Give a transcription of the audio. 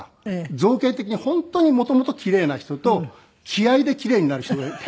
造形的に本当にもともとキレイな人と気合でキレイになる人がいて。